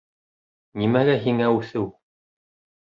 Нимәгә һиңә үҫеү?